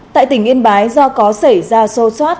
tại tỉnh yên bái do có xảy ra sâu soát